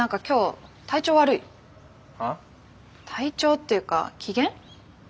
体調っていうか機嫌？